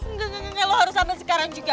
nggak lo harus ambil sekarang juga